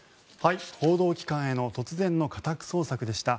報道機関への突然の家宅捜索でした。